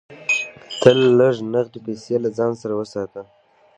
تل لږ نغدې پیسې له ځان سره وساته.